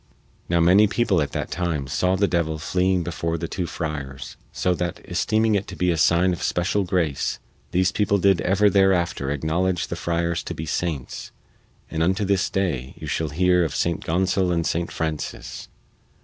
Now many people at that time saw the devil fleeing before the two friars, so that, esteeming it to be a sign of special grace, these people did ever thereafter acknowledge the friars to be saints, and unto this day you shall hear of St. Gonsol and St. Francis.